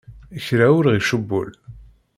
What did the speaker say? Kra ur ɣ-icewwel.